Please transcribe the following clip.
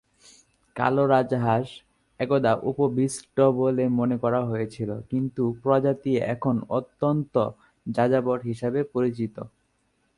কালো রাজহাঁস একদা উপবিষ্ট বলে মনে করা হয়েছিল, কিন্তু প্রজাতি এখন অত্যন্ত যাযাবর হিসেবে পরিচিত।